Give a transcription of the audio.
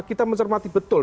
kita mencermati betul